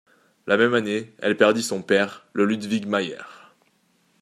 La même année, elle perdit son père, le Ludwig Mayer.